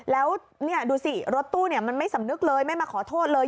แล้วรถตู้ไม่สำนึกเลยไม่มาขอโทษเลย